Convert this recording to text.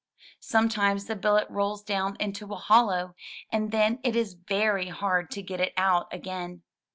Some times the billet rolls down into a hollow, and then it is very hard to get it out again.